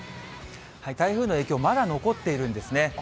台風の影響、まだ残っているんですね。